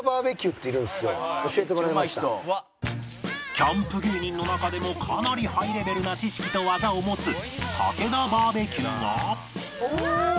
キャンプ芸人の中でもかなりハイレベルな知識と技を持つたけだバーベキューが